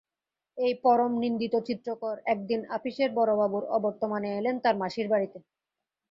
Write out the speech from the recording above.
এই পরমনিন্দিত চিত্রকর একদিন আপিসের বড়োবাবুর অবর্তমানে এলেন তাঁর মাসির বাড়িতে।